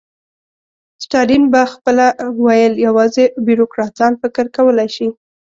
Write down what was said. ستالین به خپله ویل یوازې بیروکراټان فکر کولای شي.